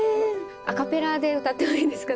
アカペラで歌ってもいいですか？